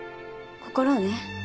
心をね。